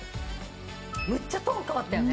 むっちゃトーン変わったよね。